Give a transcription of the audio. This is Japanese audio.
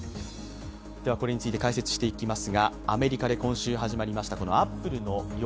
これについて解説していきます。